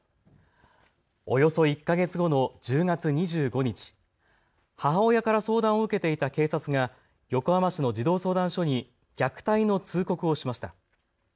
およそ１か月後の１０月２５日、母親から相談を受けていた警察が横浜市の児童相談所に虐待の通告をしました。